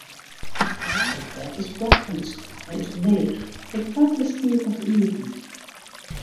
It boartersplak fan de skoalle is leech, de poarte stiet noch iepen.